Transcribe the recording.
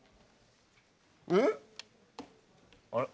えっ？